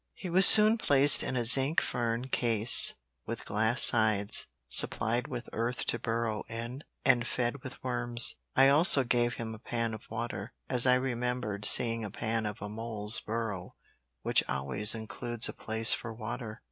He was soon placed in a zinc fern case, with glass sides, supplied with earth to burrow in, and fed with worms. I also gave him a pan of water, as I remembered seeing a plan of a mole's burrow which always includes a place for water.